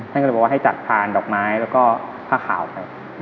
ท่านก็เลยบอกว่าให้จัดทานดอกไม้แล้วก็ผ้าขาวไป